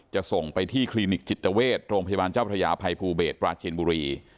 ส่งไปที่คลินิกจิตเวชโรงพยาบาลเจ้าพระยาภัยภูเบศปราจินบุรี